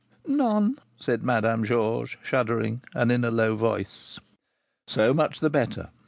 "None," said Madame Georges, shuddering, and in a low voice. "So much the better!